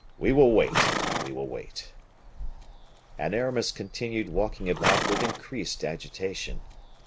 We will wait, we will wait." And Aramis continued walking about with increased agitation.